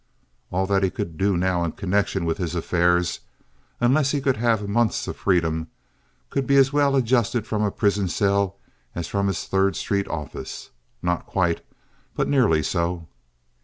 All that he could do now in connection with his affairs, unless he could have months of freedom, could be as well adjusted from a prison cell as from his Third Street office—not quite, but nearly so.